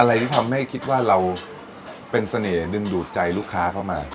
อะไรที่ทำให้คิดว่าเราเป็นเสน่ห์ดึงดูดใจลูกค้าเข้ามา